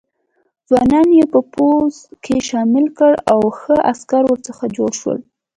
ځوانان یې په پوځ کې شامل کړل او ښه عسکر ورڅخه جوړ شول.